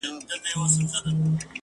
وركه يې كړه؛